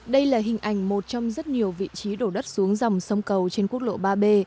đây là hình ảnh một trong rất nhiều vị trí đổ đất xuống dòng sông cầu trên quốc lộ ba b